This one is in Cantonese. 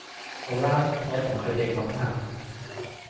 好啦，我同佢哋講吓